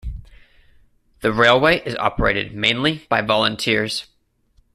The railway is operated mainly by volunteers.